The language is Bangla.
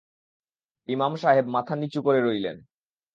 ইমাম সাহেব মাথা নিচু করে রইলেন।